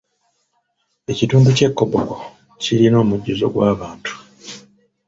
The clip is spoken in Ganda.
Ekitundu ky'e Koboko kirina omujjuzo gw'abantu.